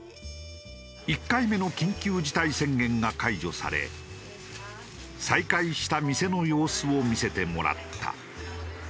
１回目の緊急事態宣言が解除され再開した店の様子を見せてもらった。